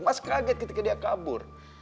mas kaget ketika dia kabur